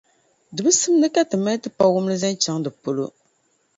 di bi simdi ka ti mali tipawumli zaŋ chaŋ di polo.